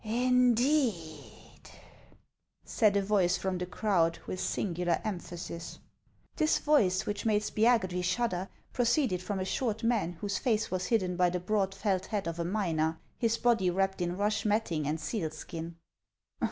" Indeed !" said a voice from the crowd, with singular emphasis. This voice, which made Spiagudry shudder, proceeded from a short man whose face was hidden by the broad felt hat of a miner, his body wrapped in rush matting and sealskin.